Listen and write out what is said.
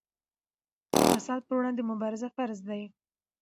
د فساد پر وړاندې مبارزه فرض ده.